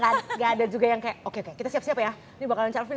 enggak ada juga yang kayak oke oke kita siap siap ya ini bakalan child free ini